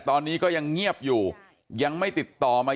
ตอนนี้ก็ยังเงียบอยู่ยังไม่ติดต่อมา